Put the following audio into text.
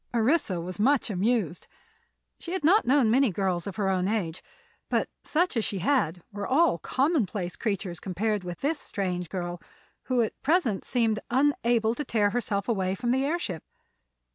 Orissa was much amused. She had not known many girls of her own age, but such as she had met were all commonplace creatures compared with this strange girl, who at present seemed unable to tear herself away from the airship.